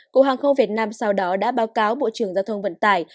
cục hàng không việt nam sau đó đã báo cáo bộ trưởng giao thông vận tải